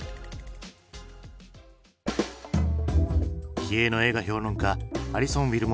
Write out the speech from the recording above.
気鋭の映画評論家アリソン・ウィルモア。